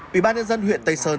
ủy ban nhân dân huyện tây sơn